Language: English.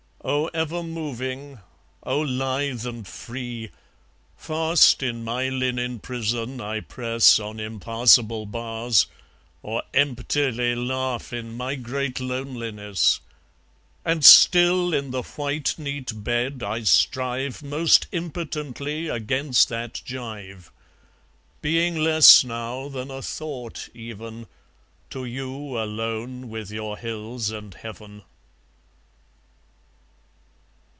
O ever moving, O lithe and free! Fast in my linen prison I press On impassable bars, or emptily Laugh in my great loneliness. And still in the white neat bed I strive Most impotently against that gyve; Being less now than a thought, even, To you alone with your hills and heaven.